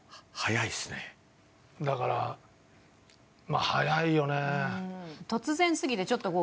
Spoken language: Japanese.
だからまあ早いよね。